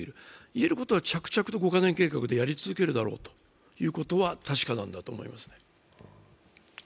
言えることは着々と５カ年計画でやり続けるだろうということは確かなんだろうと思います。